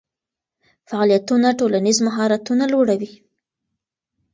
فعالیتونه ټولنیز مهارتونه لوړوي.